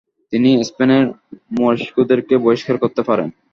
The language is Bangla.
তিনি স্পেনের মরিস্কোদেরকে বহিষ্কার করতে পারেন।